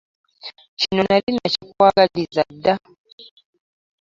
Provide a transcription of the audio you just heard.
Kino nali nakikwagaliza dda.